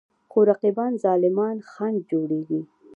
خو رقیبان ظالمان خنډ جوړېږي.